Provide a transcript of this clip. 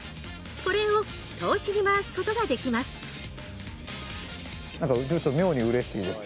これを投資に回すことができますなんか見ると妙にうれしいです。